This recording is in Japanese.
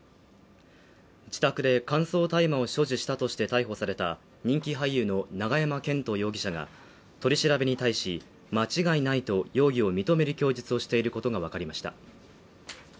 自宅で乾燥大麻を所持したとして逮捕された人気俳優の永山絢斗容疑者が取り調べに対し、間違いないと容疑を認める供述をしていることがわかりました。